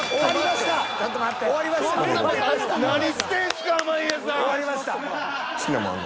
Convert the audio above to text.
何してんすか濱家さん！